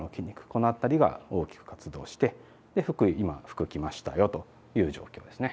この辺りが大きく活動して今服着ましたよという状況ですね。